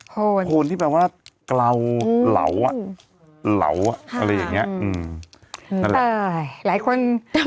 โพนที่แปลว่าเกลาเหลาอ่ะเหลาอ่ะอะไรอย่างเงี้ยอืมนั่นแหละเออหลายคน